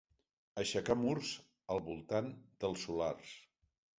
Aixecar murs al voltant dels solars.